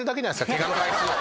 ケガの回数を。